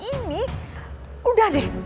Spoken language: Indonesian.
ini dia lah ya